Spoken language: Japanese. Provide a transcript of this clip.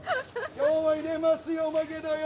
今日も入れますよ、おまけだよ。